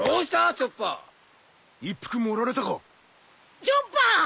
チョッパー。